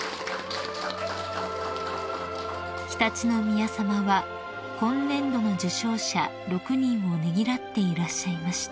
［常陸宮さまは今年度の受賞者６人をねぎらっていらっしゃいました］